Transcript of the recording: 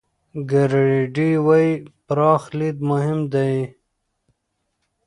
ګرېډي وايي، پراخ لید مهم دی.